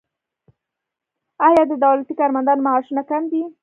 آیا د دولتي کارمندانو معاشونه کم دي؟